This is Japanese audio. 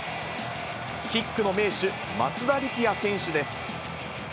キックの名手、松田力也選手です。